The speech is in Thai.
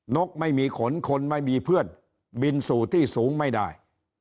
นกไม่มีขนคนไม่มีเพื่อนบินสู่ที่สูงไม่ได้